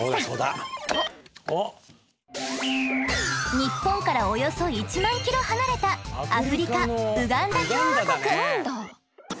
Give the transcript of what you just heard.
ニッポンからおよそ１万ｋｍ離れたアフリカウガンダ共和国。